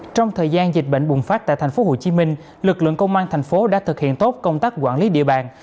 trong thời gian dịch bệnh bùng phát tại tp hcm lực lượng công an thành phố đã thực hiện tốt công tác quản lý địa bàn